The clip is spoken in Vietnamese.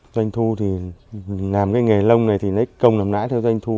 doanh thu thì làm cái nghề lông này thì công nằm nãi theo doanh thu